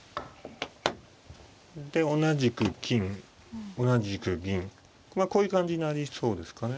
で同じく金同じく銀こういう感じになりそうですかね。